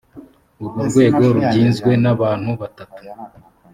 urwo rwego rugizwe n abantu batatu